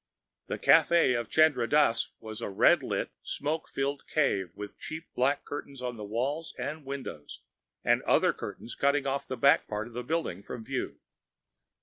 The café of Chandra Dass was a red lit, smoke filled cave with cheap black curtains on the walls and windows, and other curtains cutting off the back part of the building from view.